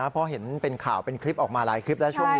เพราะเห็นเป็นข่าวเป็นคลิปออกมาหลายคลิปแล้วช่วงนี้